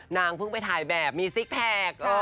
นางเพิ่งไปถ่ายแบบมีซิกแพค